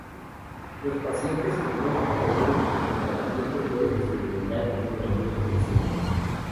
Los pacientes que no creen en el tratamiento pueden experimentar empeoramiento de los síntomas.